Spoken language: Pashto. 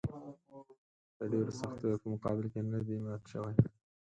د ډېرو سختیو په مقابل کې نه دي مات شوي.